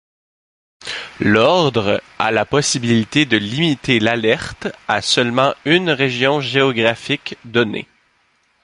L'ordre a la possibilité de limiter l'alerte a seulement une région géographique donnée.